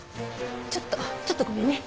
ちょっとちょっとごめんね。